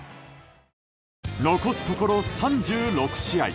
残すところ３６試合。